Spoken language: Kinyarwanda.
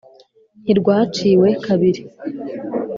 ntirwaciwe kabiri.